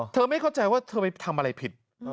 ไม่เข้าใจว่าเธอไปทำอะไรผิด